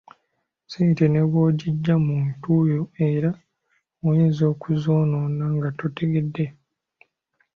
Ssente ne bw'ogijja mu ntuuyo era oyinza okuzoonoona nga totegedde.